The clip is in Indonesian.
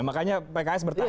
makanya pks bertahan